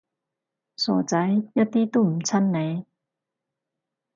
傻仔，一啲都唔襯你